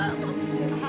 aku tidak mau